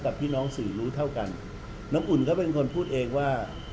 พี่น้องสื่อรู้เท่ากันน้ำอุ่นก็เป็นคนพูดเองว่า